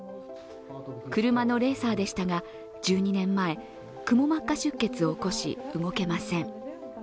車のレーサーでしたが、１２年前、くも膜下出血を起こし動けません。